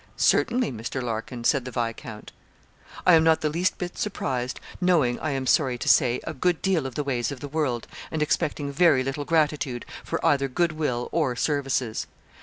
'Certainly, Mr. Larkin,' said the viscount. 'I'm not the least surprised, knowing, I am sorry to say, a good deal of the ways of the world, and expecting very little gratitude, for either good will or services.'